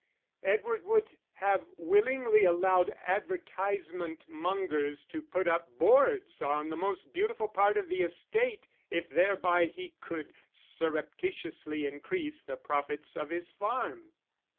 Edward would have willingly allowed advertisement mongers to put up boards on the most beautiful part of the estate, if thereby he could surreptitiously increase the profits of his farm.